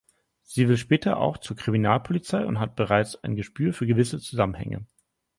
Sie will später auch zur Kriminalpolizei und hat bereits ein Gespür für gewisse Zusammenhänge.